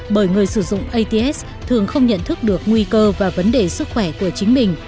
bởi người sử dụng ats thường không nhận thức được nguy cơ và vấn đề sức khỏe của chính mình